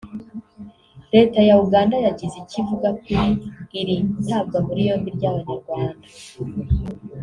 Leta ya Uganda yagize icyo ivuga kuri iri tabwa muri yombi ry’Abanyarwanda